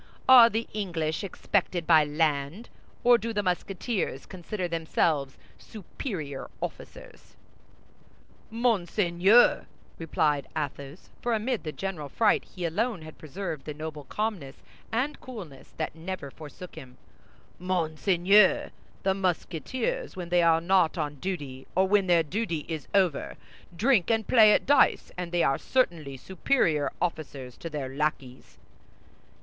"Are the English expected by land, or do the Musketeers consider themselves superior officers?" "Monseigneur," replied Athos, for amid the general fright he alone had preserved the noble calmness and coolness that never forsook him, "Monseigneur, the Musketeers, when they are not on duty, or when their duty is over, drink and play at dice, and they are certainly superior officers to their lackeys."